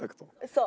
そう。